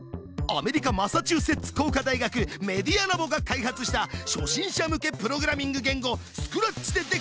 アメリカマサチューセッツ工科大学メディアラボが開発した初心者向けプログラミング言語スクラッチでできた世界だ。